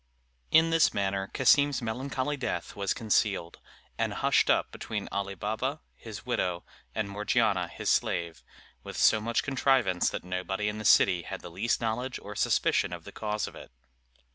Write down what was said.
In this manner Cassim's melancholy death was concealed, and hushed up between Ali Baba, his widow, and Morgiana, his slave, with so much contrivance that nobody in the city had the least knowledge or suspicion of the cause of it.